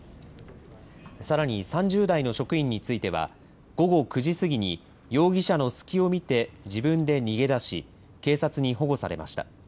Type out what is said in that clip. さらに、３０代の職員については午後９時過ぎに容疑者の隙を見て自分で逃げ出し警察に保護されました。